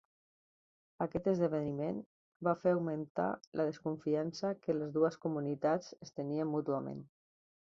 Aquest esdeveniment va fer augmentar la desconfiança que les dues comunitats es tenien mútuament.